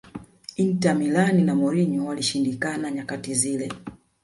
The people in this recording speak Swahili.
Inter Milan na Mourinho walishindikana nyakati zile